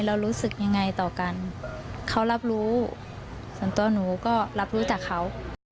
เรารู้สึกยังไงต่อกันเขารับรู้ส่วนตัวหนูก็รับรู้จากเขา